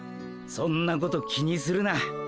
そんなこと気にするな。